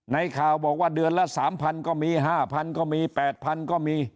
ข่าวบอกว่าเดือนละ๓๐๐ก็มี๕๐๐ก็มี๘๐๐ก็มี